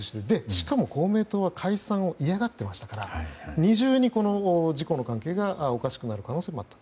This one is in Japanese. しかも、公明党は解散を嫌がっていましたから二重に自公の関係がおかしくなる可能性もあった。